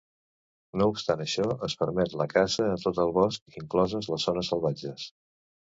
No obstant això, es permet la caça a tot el bosc, incloses les zones salvatges.